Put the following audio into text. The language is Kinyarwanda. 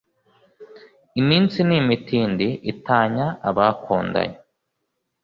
iminsi n’imitindi itanya abakundanye